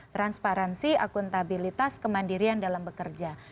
transparansi akuntabilitas kemandirian dalam bekerja